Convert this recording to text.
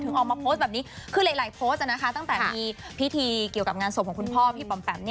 ออกมาโพสต์แบบนี้คือหลายโพสต์ตั้งแต่มีพิธีเกี่ยวกับงานศพของคุณพ่อพี่ปำแปม